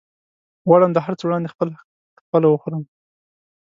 غواړم د هرڅه وړاندې خپل حق خپله وخورم